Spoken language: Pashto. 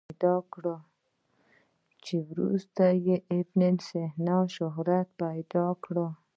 چې وروسته یې ابن سینا په شهرت پیدا کړ.